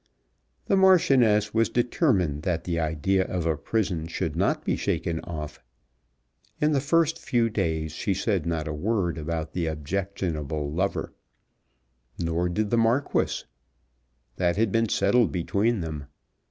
The Marchioness was determined that the idea of a prison should not be shaken off. In the first few days she said not a word about the objectionable lover, nor did the Marquis. That had been settled between them.